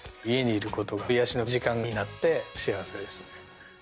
家にいることが癒やしの時間になって幸せですね。